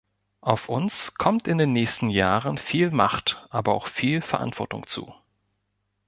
Auf uns kommt in den nächsten Jahren viel Macht, aber auch viel Verantwortung zu.